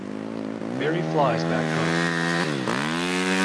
Mary flies back home.